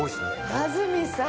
安住さん